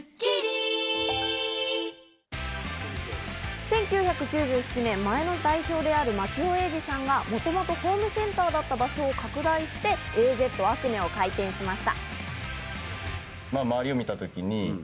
１９９７年前の代表である牧尾英二さんが、元々ホームセンターだった場所を拡大してＡ−Ｚあくねを開店しました。